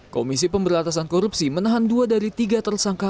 komisi pemberantasan korupsi menahan dua dari tiga tersangka